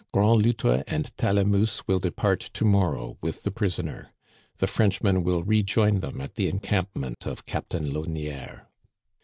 " Grand Loutre and Talamousse will depart to morrow with the prisoner. The Frenchman will re join them at the encampment of Captain Launière."